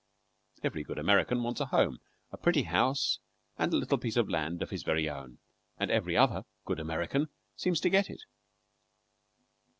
Every good American wants a home a pretty house and a little piece of land of his very own; and every other good American seems to get it.